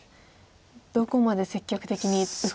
どこまで積極的に打っていいか。